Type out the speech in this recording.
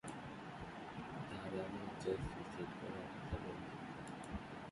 তারা লজ্জায় সুইসাইড করার কথা বললো!